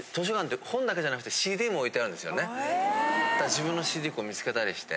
自分のＣＤ見つけたりして。